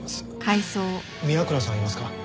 宮倉さんいますか？